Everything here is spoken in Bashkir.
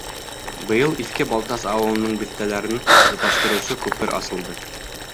Быйыл Иҫке Балтас ауылының биҫтәләрен тоташтырыусы күпер асылды.